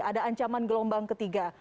ada ancaman gelombang ketiga